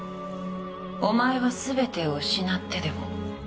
「お前はすべてを失ってでも」